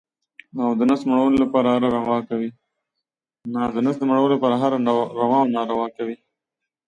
د نس مړولو لپاره هره روا کوي.